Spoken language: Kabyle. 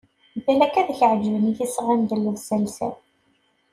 Balak ad k-ɛeǧben yisɣan d llebsa lsan!